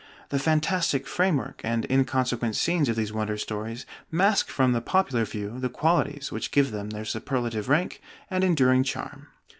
The fantastic framework and inconsequent scenes of these wonder stories mask from the popular view the qualities which give them their superlative rank and enduring charm.